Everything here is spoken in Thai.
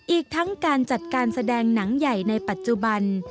อีกทั้งการจัดการแสดงหนังใหญ่ในปัจจุบัน